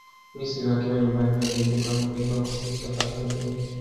misri wakiwa nyumbani waliibuka mabingwa kwa kuichapa cameroon